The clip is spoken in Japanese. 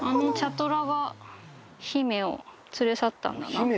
トラが姫を連れ去ったんだな。